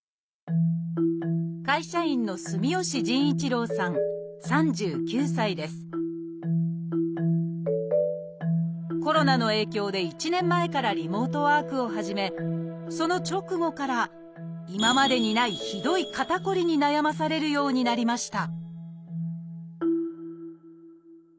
会社員のコロナの影響で１年前からリモートワークを始めその直後から今までにないひどい肩こりに悩まされるようになりました